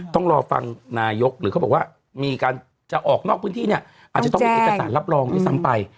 ต้องรอฟังนายกหรือเขาบอกว่ามีการจะออกนอกพื้นที่เนี่ยอาจจะต้องมีเอกสารรับรองด้วยซ้ำไป